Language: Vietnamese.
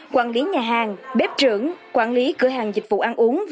quản lý nhà hàng bếp trưởng quản lý cửa hàng dịch vụ ăn uống v v